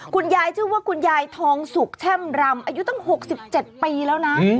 คุณยายชื่อว่าคุณยายทองสุกแช่มรำอายุตั้ง๖๗ปีแล้วนะ